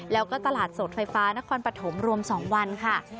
แล้วก็ตลาดสดไฟฟ้านครปฐมรวม๒วันค่ะ